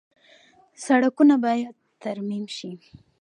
سړکونه باید ترمیم شي